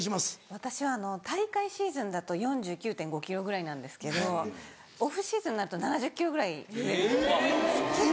私は大会シーズンだと４９．５ｋｇぐらいなんですけどオフシーズンになると７０ｋｇぐらいに増えるんです。